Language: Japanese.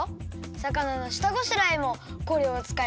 さかなのしたごしらえもこれをつかえばかんたん！